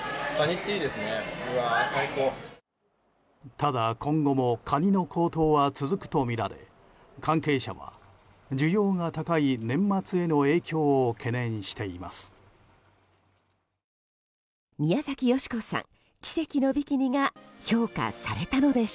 ただ、今後もカニの高騰は続くとみられ関係者は需要が高い年末への影響を懸念しています。